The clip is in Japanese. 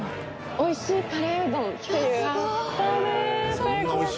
おいしい？